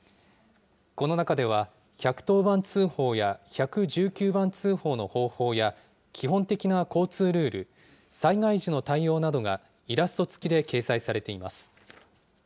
この中では、１１０番通報や１１９番通報の方法や基本的な交通ルール、災害時の対応などが、イラスト付きで掲載されています。